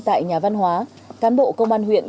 tại nhà văn hóa cán bộ công an huyện